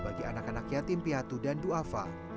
bagi anak anak yatim piatu dan duafa